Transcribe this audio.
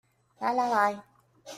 來來來